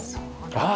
ああ！